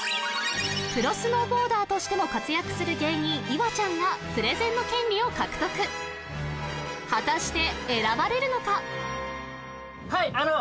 プロスノーボーダーとしても活躍する芸人岩ちゃんがプレゼンの権利を獲得果たして選ばれるのか？